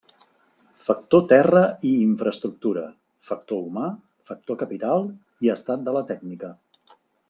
Factor terra i infraestructura, factor humà, factor capital i estat de la tècnica.